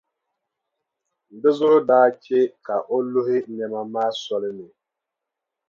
Di zuɣu daa che ka o luhi nɛma maa soli ni.